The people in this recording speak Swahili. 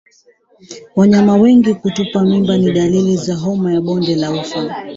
Wanyama wengi kutupa mimba ni dalili ya homa ya bonde la ufa